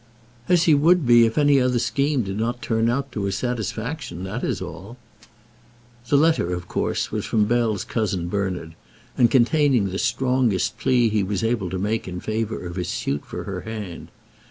"As he would be if any other scheme did not turn out to his satisfaction; that is all." The letter, of course, was from Bell's cousin Bernard, and containing the strongest plea he was able to make in favour of his suit for her hand.